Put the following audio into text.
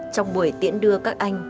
trong buổi tiễn đưa các anh